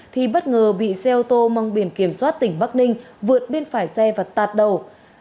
thì bất ngờ bị xe ô tô mong biển kiểm soát tỉnh bắc ninh vượt bên phải xe và tạt đầu